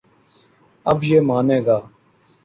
اب یہ مانے گا۔